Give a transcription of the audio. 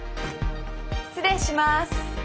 失礼します。